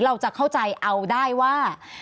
เราจะเข้าใจเอาได้ว่า